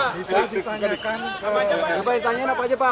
bisa ditanyakan apa aja pak